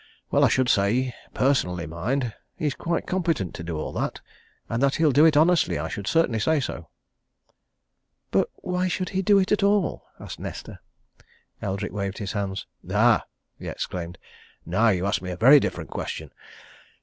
Well, I should say personally, mind he's quite competent to do all that, and that he'll do it honestly, I should certainly say so." "But why should he do it at all?" asked Nesta. Eldrick waved his hands. "Ah!" he exclaimed. "Now you ask me a very different question!